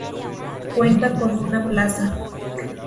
Cuenta con una plaza.